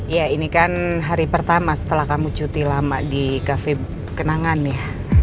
ya ini kan hari pertama setelah kamu cuti lama di cafe kenangan ya